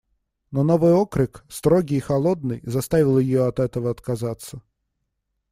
Но новый окрик, строгий и холодный, заставил ее от этого отказаться.